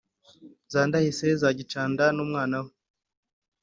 za ndahise ya gicanda numwana we